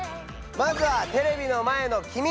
まずはテレビの前のきみ！